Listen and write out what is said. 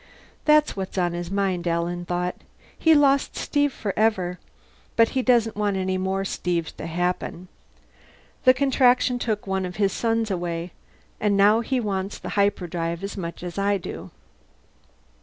That's what's on his mind, Alan thought. He lost Steve forever but he doesn't want any more Steves to happen. The Contraction took one of his sons away. And now he wants the hyperdrive as much as I do.